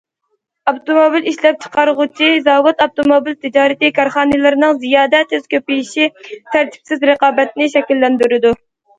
ئاپتوموبىل ئىشلەپچىقارغۇچى زاۋۇت، ئاپتوموبىل تىجارىتى كارخانىلىرىنىڭ زىيادە تېز كۆپىيىشى تەرتىپسىز رىقابەتنى شەكىللەندۈرىدۇ.